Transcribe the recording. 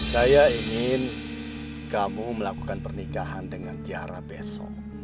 saya ingin kamu melakukan pernikahan dengan tiara besok